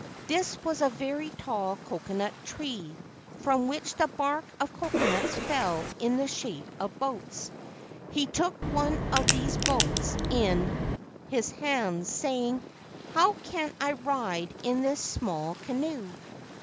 This was a very tall cocoanut tree, from which the bark of coconuts fell in the shape of boats. He took one of these boats in his hands, saying, "How can I ride in this small canoe?